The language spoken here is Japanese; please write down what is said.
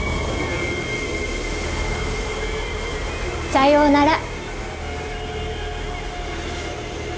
さようなら。